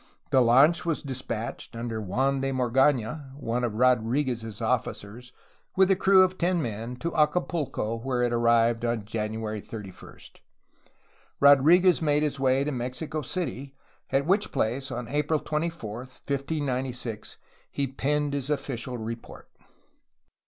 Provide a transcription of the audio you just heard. The launch was despatched under Juan de Morgana (one of Rodriguez's officers), with a crew of ten men, to Acapulco, where it arrived on January 31. Rodriguez made his way to Mexico City, at which place, on April 24, 1596, he penned his official report.